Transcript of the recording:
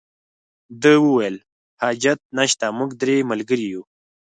ده وویل حاجت نشته موږ درې ملګري یو.